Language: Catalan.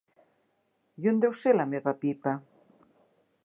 I on deu ser la meva pipa?